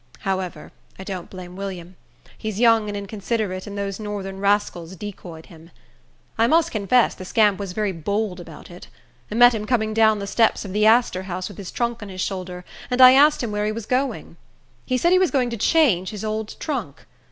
However, I don't blame William. He's young and inconsiderate, and those Northern rascals decoyed him. I must confess the scamp was very bold about it. I met him coming down the steps of the Astor House with his trunk on his shoulder, and I asked him where he was going. He said he was going to change his old trunk.